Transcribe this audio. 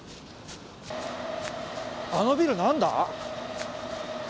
あのビル何だ？